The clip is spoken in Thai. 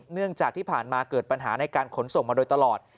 เนื่องจากที่ผ่านมาเกิดปัญหาในการขนส่งมาโดยตลอด